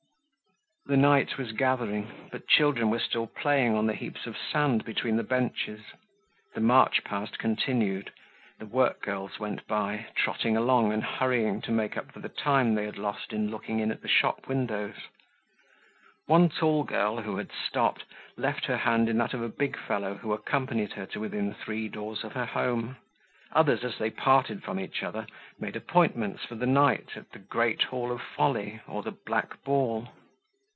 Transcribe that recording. The night was gathering, but children were still playing on the heaps of sand between the benches. The march past continued, the workgirls went by, trotting along and hurrying to make up for the time they had lost in looking in at the shop windows; one tall girl, who had stopped, left her hand in that of a big fellow, who accompanied her to within three doors of her home; others as they parted from each other, made appointments for the night at the "Great Hall of Folly" or the "Black Ball."